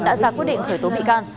đã ra quyết định khởi tố bị can